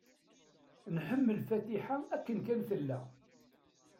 Nḥemmel Fatiḥa akken kan tella.